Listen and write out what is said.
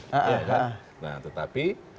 ya kan nah tetapi